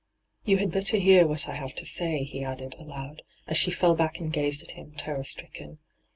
' You had better hear what I have to say,' he added, aloud, as she fell back and gazed at him, terror stricken.